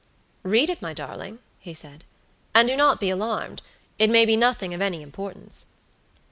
"Read it, my darling," he said, "and do not be alarmed; it may be nothing of any importance."